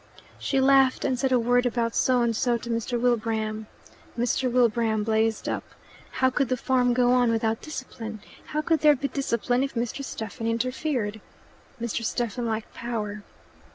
She laughed, and said a word about So and so to Mr. Wilbraham. Mr. Wilbraham blazed up. "How could the farm go on without discipline? How could there be discipline if Mr. Stephen interfered? Mr. Stephen liked power.